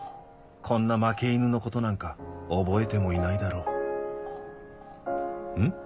こんな負け犬のことなんか覚えてもいないだろうん？